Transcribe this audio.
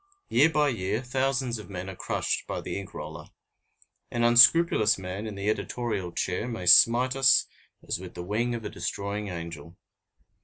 Year by year, thousands of men are crushed by the ink roller. An unscrupulous man in the editorial chair may smite as with the wing of a destroying angel.